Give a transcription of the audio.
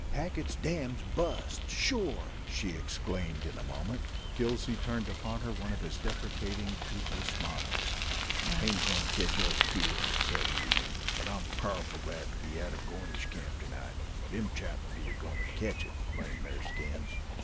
"Hackett's dam's bust, shore!" she exclaimed in a moment. Gillsey turned upon her one of his deprecating, toothless smiles. "'T aint a goin' ter tech us here," said he; "but I'm powerful glad ter be outer the Gornish Camp ter night. Them chaps be a goin' ter ketch it, blame the'r skins!"